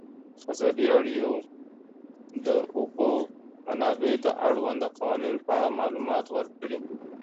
ازادي راډیو د د اوبو منابع د اړونده قوانینو په اړه معلومات ورکړي.